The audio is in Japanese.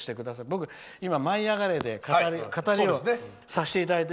僕今、「舞いあがれ！」で語りをさせていただいてて。